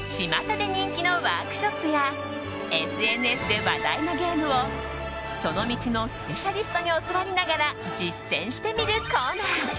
巷で人気のワークショップやＳＮＳで話題のゲームをその道のスペシャリストに教わりながら実践してみるコーナー